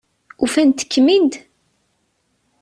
Ufant-ikem-id?